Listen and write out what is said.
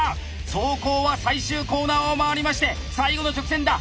⁉走行は最終コーナーを回りまして最後の直線だ！